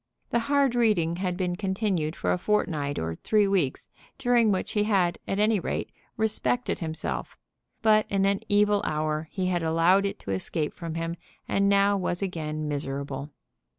The hard reading had been continued for a fortnight or three weeks, during which he had, at any rate, respected himself, but in an evil hour he had allowed it to escape from him, and now was again miserable.